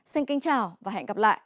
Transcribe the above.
xin kính chào và hẹn gặp lại